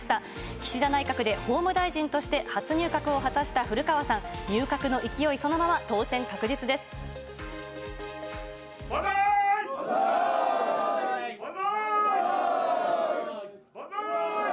岸田内閣で法務大臣として初入閣を果たした古川さん、入閣の勢い万歳！